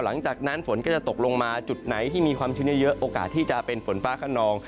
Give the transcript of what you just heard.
หลังจากนั้นฝนก็จะตกลงมาจุดไหนที่มีความชื้นเยอะโอกาสที่จะเป็นฝนฟ้าขนอง